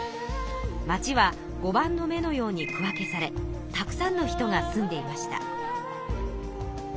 町はごばんの目のように区分けされたくさんの人が住んでいました。